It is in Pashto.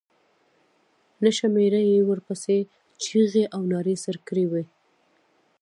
نشه مېړه یې ورپسې چيغې او نارې سر کړې وې.